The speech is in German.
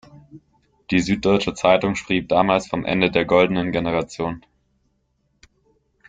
Die Süddeutsche Zeitung schrieb damals vom Ende der Goldenen Generation.